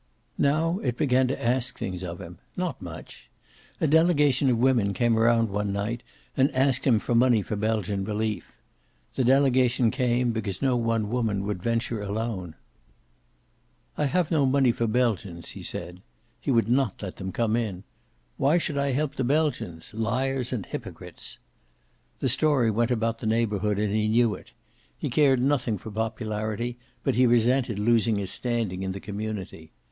Now it began to ask things of him. Not much. A delegation of women came around one night and asked him for money for Belgian Relief. The delegation came, because no one woman would venture alone. "I have no money for Belgians," he said. He would not let them come in. "Why should I help the Belgians? Liars and hypocrites!" The story went about the neighborhood, and he knew it. He cared nothing for popularity, but he resented losing his standing in the community.